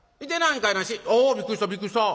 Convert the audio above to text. しあびっくりしたびっくりした！